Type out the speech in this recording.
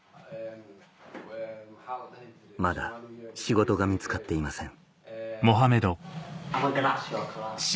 まだ仕事が見つかっていません